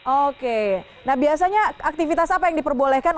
oke nah biasanya aktivitas apa yang diperbolehkan